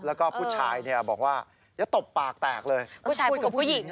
แล้วก็ผู้ชายเนี้ยบอกว่าจะตบปากแตกเลยผู้ชายพูดกับผู้หญิงอ่ะเออ